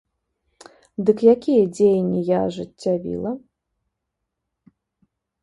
Дык якія дзеянні я ажыццявіла?